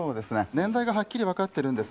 年代がはっきり分かってるんです。